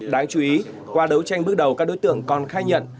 đáng chú ý qua đấu tranh bước đầu các đối tượng còn khai nhận